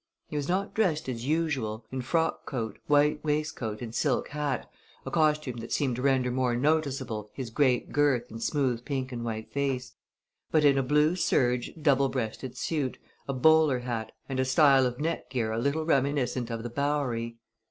He was not dressed as usual in frock coat, white waistcoat and silk hat, a costume that seemed to render more noticeable his great girth and smooth pink and white face but in a blue serge, double breasted suit, a bowler hat, and a style of neckgear a little reminiscent of the Bowery.